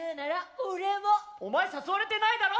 お前誘われてないだろう！